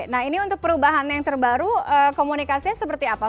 nah ini untuk perubahan yang terbaru komunikasinya seperti apa